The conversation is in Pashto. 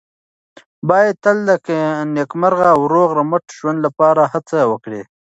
باید تل د نېکمرغه او روغ رمټ ژوند لپاره هڅه وکړو.